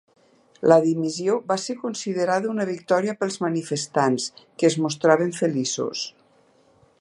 La dimissió va ser considerada una victòria pels manifestants, que es mostraven feliços.